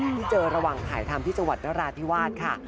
ที่เจอระหว่างถ่ายทำที่จังหวัดนราธิวาสค่ะ